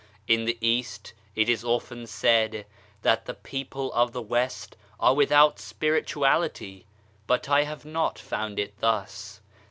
In the East it is often said that the people of the West are without spirituality, but I have not found it thus.